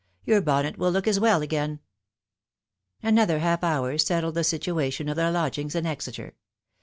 Your bonnet will look as well again !"Another half hour settled the situation of their lodgings in Exeter.